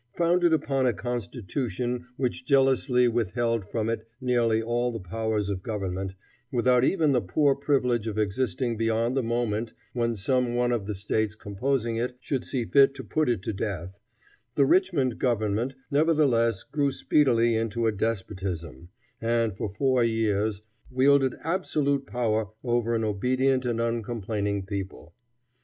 Founded upon a constitution which jealously withheld from it nearly all the powers of government, without even the poor privilege of existing beyond the moment when some one of the States composing it should see fit to put it to death, the Richmond government nevertheless grew speedily into a despotism, and for four years wielded absolute power over an obedient and uncomplaining people.